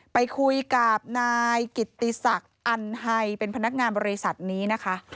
ไปคุยกับนายกิตติศักดิ์อันไฮเป็นพนักงานบริษัทนี้นะคะ